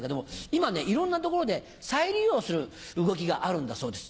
今ねいろんなところで再利用する動きがあるんだそうです